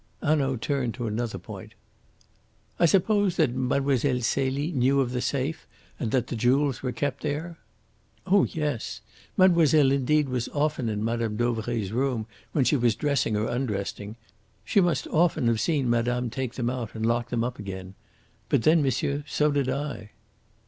Hanaud turned to another point. "I suppose that Mademoiselle Celie knew of the safe and that the jewels were kept there?" "Oh yes! Mademoiselle indeed was often in Madame Dauvray's room when she was dressing or undressing. She must often have seen madame take them out and lock them up again. But then, monsieur, so did I."